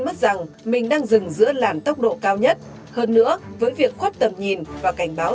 mất rằng mình đang dừng giữa làn tốc độ cao nhất hơn nữa với việc khuất tầm nhìn và cảnh báo